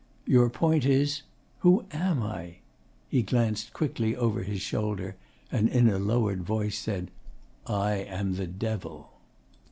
Your point is: who am I?' He glanced quickly over his shoulder, and in a lowered voice said 'I am the Devil.